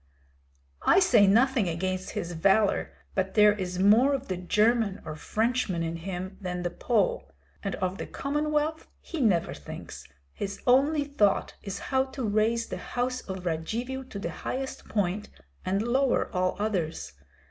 "I say nothing against his valor, but there is more of the German or Frenchman in him than the Pole. And of the Commonwealth he never thinks; his only thought is how to raise the house of Radzivill to the highest point and lower all others.